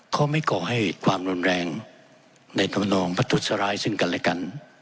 เขาไม่ก่อให้ความรุนแรงในธรรมนองประทุษร้ายซึ่งกันและกัน